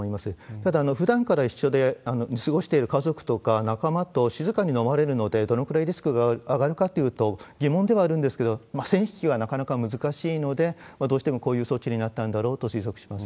ただ、ふだんから一緒に過ごしている家族とか、仲間と静かに飲まれるのでどのくらいリスクが上がるかというと、疑問ではあるんですけれども、線引きはなかなか難しいので、どうしてもこういう措置になったんだろうと推測します。